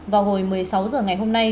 vào hồi một mươi sáu h ngày hôm nay